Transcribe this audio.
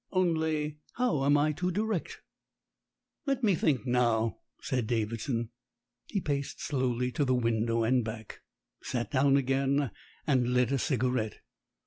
Only how am I to direct?" THE MARRIAGE OF MIRANDA 43 "Let me think now," said Davidson. He paced slowly to the window and back, sat down again, and lit a cigarette.